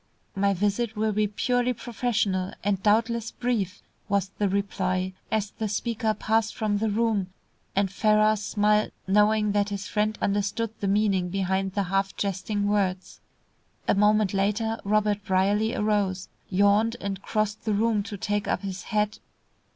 "My visit will be purely professional, and doubtless brief," was the reply, as the speaker passed from the room, and Ferrars smiled, knowing that his friend understood the meaning behind the half jesting words. A moment later Robert Brierly arose, yawned, and crossed the room to take up his hat.